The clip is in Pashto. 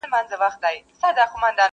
پهلوان د ترانو د لر او بر دی!.